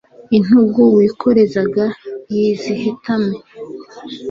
intugu wikorezaga zihetame